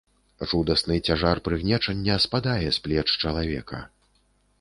Жудасны цяжар прыгнечання спадае з плеч чалавека.